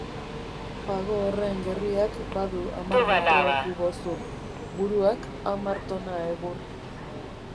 Pago horren gerriak badu hamar metro kubo zur, buruak hamar tona egur.